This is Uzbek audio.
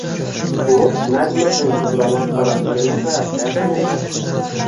U Najmiddin Kubro maqbarasiga nihoyatda yaqin edi